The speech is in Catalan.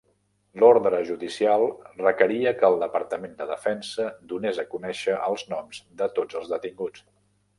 L'ordre judicial requeria que el Departament de Defensa donés a conèixer els noms de tots els detinguts.